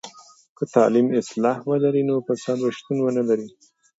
که تعلیم اصلاح ولري، نو فساد به شتون ونلري.